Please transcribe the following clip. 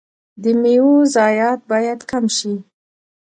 د میوو ضایعات باید کم شي.